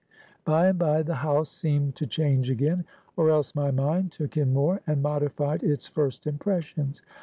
"By and by, the house seemed to change again, or else my mind took in more, and modified its first impressions.